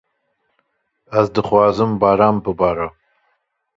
Ez dixwazim baran bibare